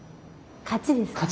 勝ちですか？